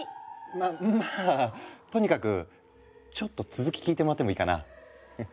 ままあとにかくちょっと続き聞いてもらってもいいかな？